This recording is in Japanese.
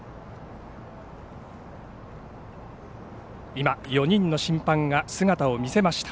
今、４人の審判が姿を見せました。